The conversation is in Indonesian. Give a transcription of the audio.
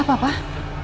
ada apa pak